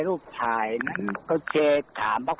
คุณผู้ชมไปฟังเสียงพร้อมกัน